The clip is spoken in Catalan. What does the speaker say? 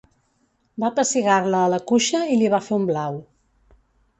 Va pessigar-la a la cuixa i li va fer un blau.